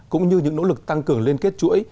cũng như những nỗ lực tăng cường liên kết chuỗi